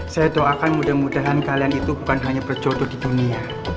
saya doakan mudah mudahan kalian itu bukan hanya berjodoh di dunia